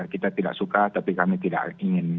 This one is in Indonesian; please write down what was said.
kita tidak suka tapi kami tidak ingin